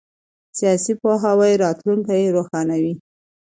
سیاسي پوهاوی راتلونکی روښانوي